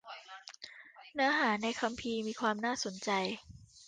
เนื้อหาในพระคัมภีร์ มีความน่าสนใจ